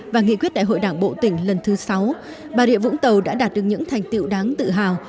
và nghị quyết đại hội đảng bộ tỉnh lần thứ sáu bà rịa vũng tàu đã đạt được những thành tiệu đáng tự hào